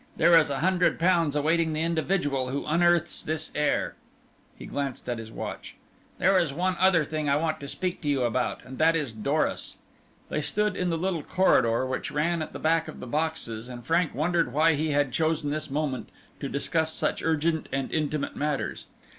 There is a hundred pounds awaiting the individual who unearths this heir." He glanced at his watch. "There is one other thing I want to speak to you about and that is Doris." They stood in the little corridor which ran at the back of the boxes, and Frank wondered why he had chosen this moment to discuss such urgent and intimate matters.